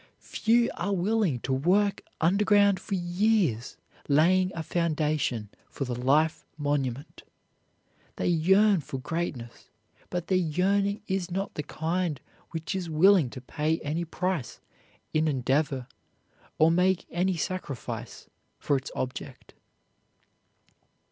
Few are willing to work underground for years laying a foundation for the life monument. They yearn for greatness, but their yearning is not the kind which is willing to pay any price in endeavor or make any sacrifice for its object.